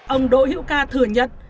ông đỗ hiệu ca thừa nhận